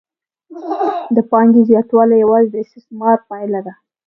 د پانګې زیاتوالی یوازې د استثمار پایله ده